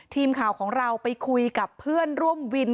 ทีมข่าวของเราไปคุยกับเพื่อนร่วมวิน